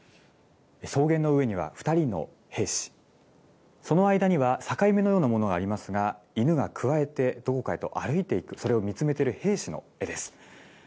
草原の上には２人の兵士、その間には境目のようなものがありますが、犬がくわえてどこかへと歩いていく、それを見つめている兵士の絵です。